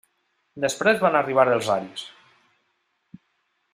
Després van arribar els aris.